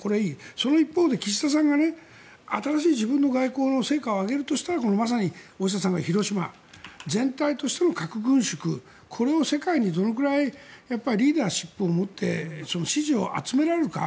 その一方で岸田さんが新しい自分の外交の成果を上げるとしたらまさに大下さんが広島全体としての核軍縮これを世界にどのくらいリーダーシップを持って支持を集められるか。